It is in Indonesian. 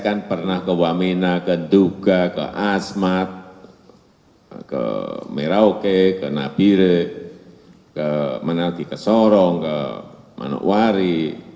kan pernah ke wamena ke duga ke asmat ke merauke ke nabire ke managi ke sorong ke manokwari